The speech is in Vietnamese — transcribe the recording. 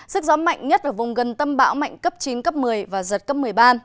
sức gió mạnh nhất ở vùng gần tâm bão mạnh cấp chín cấp một mươi và giật cấp một mươi ba